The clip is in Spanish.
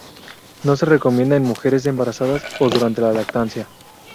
No se recomienda en mujeres embarazadas o durante la lactancia